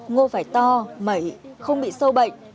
ngô phải to mẩy không bị sâu bệnh